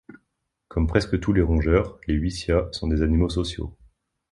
Comme presque tous les rongeurs, les hutias sont des animaux sociaux.